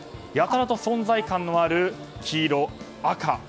やたらと存在感のある黄色、赤。